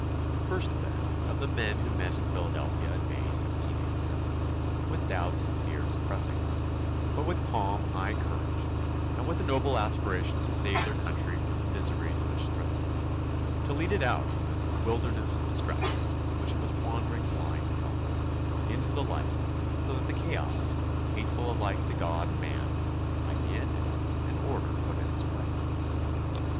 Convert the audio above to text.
First, then, of the men who met in Philadelphia in May, 1787, with doubts and fears oppressing them, but with calm, high courage and with a noble aspira tion to save their country from the miseries which threatened it, to lead it out from the wilderness of THE CONSTITUTION AND ITS MAKERS 39 distractions in which it was wandering bUnd and help less, into the Ught, so that the chaos, hateful alike to God and man, might be ended and order put in its place.